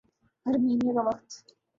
Armenia کا وقت